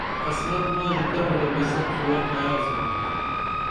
عصمت ماں ژِتہ میلاو بئسن سُوار کایہ آڅِنا